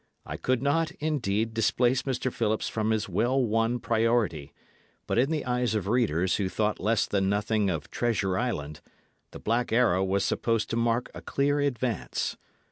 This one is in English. I could not, indeed, displace Mr. Phillips from his well won priority; but in the eyes of readers who thought less than nothing of Treasure Island, The Black Arrow was supposed to mark a clear advance.